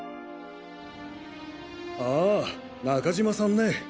ああ中島さんね。